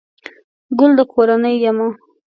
گل دکورنۍ يمه